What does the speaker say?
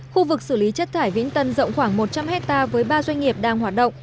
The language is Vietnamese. khu vực xử lý chất thải vĩnh tân rộng khoảng một trăm linh hectare với ba doanh nghiệp đang hoạt động